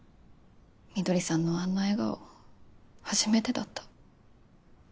翠さんのあんな笑顔初めてだった。